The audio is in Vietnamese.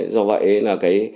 do vậy là